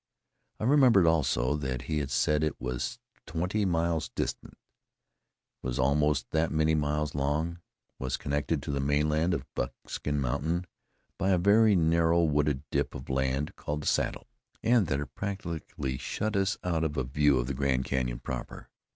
I remembered, also, that he had said it was twenty miles distant, was almost that many miles long, was connected to the mainland of Buckskin Mountain by a very narrow wooded dip of land called the Saddle, and that it practically shut us out of a view of the Grand Canyon proper.